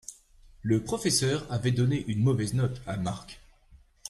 le professeur avait donné une mauvais note à Mark.